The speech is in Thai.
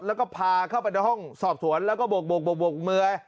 แล้วก็พาเข้าไปในห้องสอบสวนแล้วก็โบกมือ